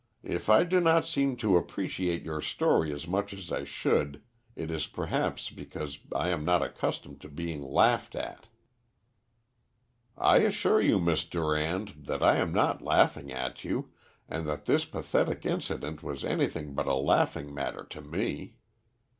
"If I do not seem to appreciate your story as much as I should, it is perhaps because I am not accustomed to being laughed at." "I assure you, Miss Durand, that I am not laughing at you, and that this pathetic incident was anything but a laughing matter to me.